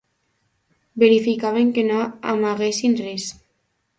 Verificaven que no amaguessin res.